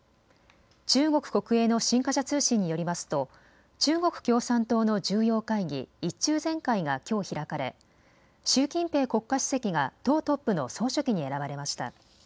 中国国営の新華社通信によりますと中国共産党の重要会議、１中全会がきょう開かれ習近平国家主席が党トップの総書記に選ばれました。